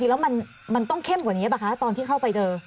จริงแล้วมันต้องเข้มกว่านี้หรือเปล่าคะตอนที่เข้าไปเจอ